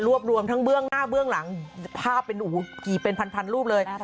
รวมทั้งเบื้องหน้าเบื้องหลังภาพเป็นกี่เป็นพันรูปเลย